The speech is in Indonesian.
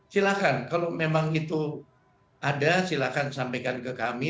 silahkan kalau memang itu ada silakan sampaikan ke kami